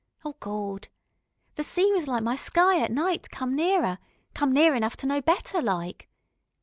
... Oh Gawd!... The sea was like my sky at night come nearer come near enough to know better, like.